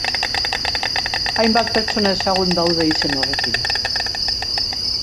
Hainbat pertsona ezagun daude izen horrekin.